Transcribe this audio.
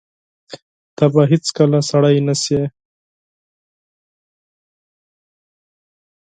ته به هیڅکله سړی نه شې !